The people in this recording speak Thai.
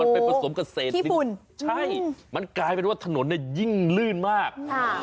มันเป็นผสมกับเศรษฐ์มันกลายเป็นว่าถนนยิ่งลื่นมาก